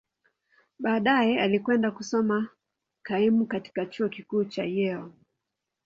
Baadaye, alikwenda kusoma kaimu katika Chuo Kikuu cha Yale.